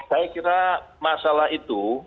saya kira masalah itu